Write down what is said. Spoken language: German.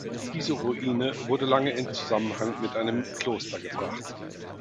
Diese Ruine wurde lange in Zusammenhang mit einem Kloster gebracht.